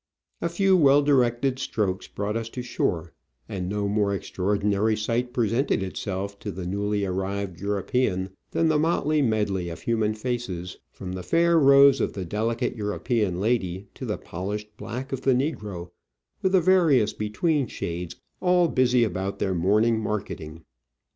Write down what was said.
A few well directed strokes brought us to shore, and no more extraordinary sight presented itself to the newly arrived European than the motley medley of human faces, from the fair rose of the delicate European lady to the polished black of the negro, with the various between shades, all busy Digitized by VjOOQIC OF AN Orchid Hunter, 13 about their morning marketing.